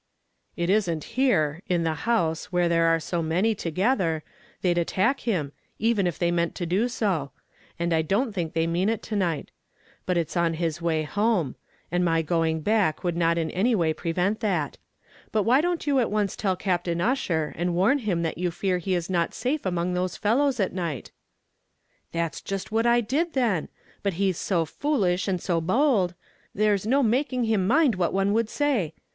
"It isn't here in the house, where there are so many together they'd attack him, even if they meant to do so; and I don't think they mean it to night; but it's on his way home and my going back would not in any way prevent that. But why don't you at once tell Captain Ussher, and warn him that you fear he is not safe among those fellows at night." "That's jist what I did then; but he's so foolish, and so bowld, there's no making him mind what one would say.